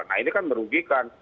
nah ini kan merugikan